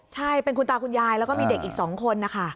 ใช่เป็นคุณตาคุณยายแล้วก็มีเด็กอีก๒คนนะคะ